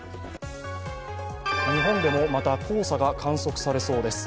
日本でもまた黄砂が観測されそうです。